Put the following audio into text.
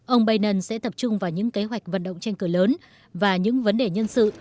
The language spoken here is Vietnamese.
ông biden sẽ tập trung vào những kế hoạch vận động tranh cử lớn và những vấn đề nhân sự